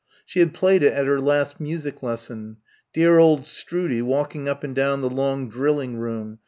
She had played it at her last music lesson ... dear old Stroodie walking up and down the long drilling room....